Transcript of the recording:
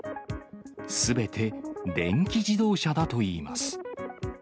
すべて電気自動車だといいます。